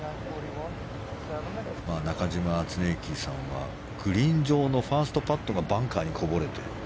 中嶋常幸さんはグリーン上のファーストパットがバンカーにこぼれて。